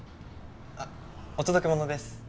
あっお届け物です。